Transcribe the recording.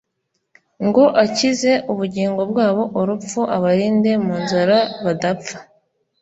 Ngo akize ubugingo bwabo urupfu, abarinde mu nzara badapfa